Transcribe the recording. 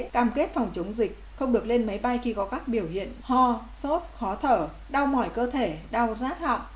cam kết phòng chống dịch không được lên máy bay khi có các biểu hiện ho sốt khó thở đau mỏi cơ thể đau rát họng